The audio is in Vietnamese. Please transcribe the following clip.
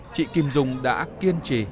chị kim dung đã kiên trì